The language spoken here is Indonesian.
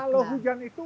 kalau hujan itu